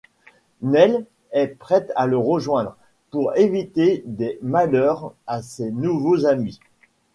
Nell est prête à le rejoindre, pour éviter des malheurs à ses nouveaux amis.